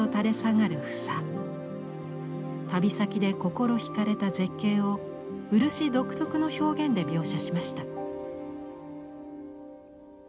旅先で心惹かれた絶景を漆独特の表現で描写しました。